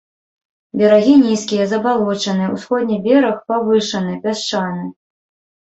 Берагі нізкія, забалочаныя, усходні бераг павышаны, пясчаны.